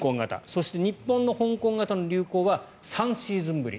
そして日本の香港型の流行は３シーズンぶり。